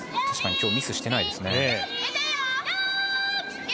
確かに今日、ミスしてないですね。